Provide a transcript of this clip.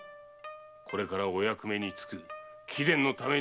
これからお役目に就く貴殿のためにもよくない。